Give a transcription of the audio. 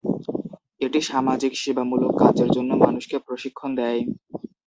এটি সামাজিক সেবামূলক কাজের জন্য মানুষকে প্রশিক্ষণ দেয়।